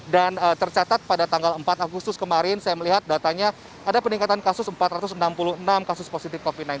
dan tercatat pada tanggal empat agustus kemarin saya melihat datanya ada peningkatan kasus empat ratus enam puluh enam kasus positif covid sembilan belas